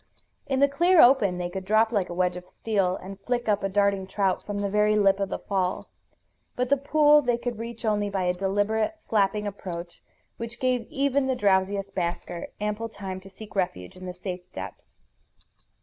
In the clear open they could drop like a wedge of steel, and flick up a darting trout from the very lip of the fall. But the pool they could reach only by a deliberate, flapping approach which gave even the drowsiest basker ample time to seek refuge in the safe depths.